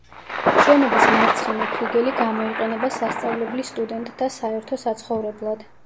შენობის მარცხენა ფლიგელი გამოიყენება სასწავლებლის სტუდენტთა საერთო საცხოვრებლად.